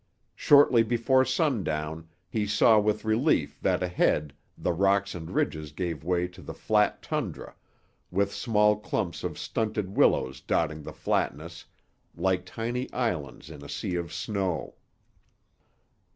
Shortly before sundown he saw with relief that ahead the rocks and ridges gave way to the flat tundra, with small clumps of stunted willows dotting the flatness, like tiny islands in a sea of snow.